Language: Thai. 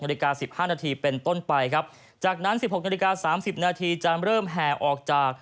นาฬิกาสิบห้านาทีเป็นต้นไปครับจากนั้น๑๖นาฬิกา๓๐นาทีจะเริ่มแห่ออกจาก